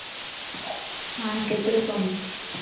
ھاڻ ڪيترو ڪمَ؟